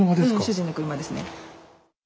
主人の車ですね。